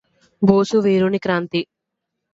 బోసు వీరుని క్రాంతి